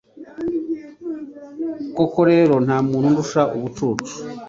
Koko rero nta muntu undusha ubucucu